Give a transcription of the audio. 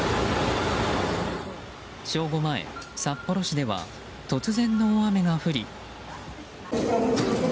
正午前、札幌市では突然の大雨が降り。